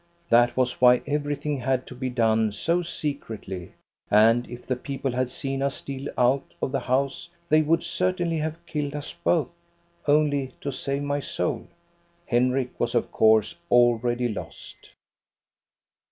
That was why everything had to be done so secretly, and if the people had seen us steal out of the house, they would certainly have killed us both — only to save my soul ; Henrik was of course already lost."